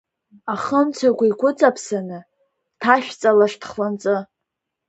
Ахымцақәа игәыҵаԥсаны, дҭашәҵалашт хланҵы.